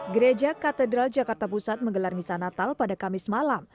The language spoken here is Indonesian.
gereja katedral jakarta pusat menggelar misa natal pada kamis malam